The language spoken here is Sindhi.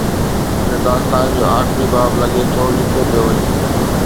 هن داستان جو آخري باب، لڳي ٿو، لکيو پيو وڃي.